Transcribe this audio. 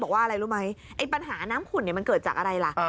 บอกว่าอะไรรู้ไหมปัญหาน้ำขุ่นเนี่ยมันเกิดจากอะไรล่ะ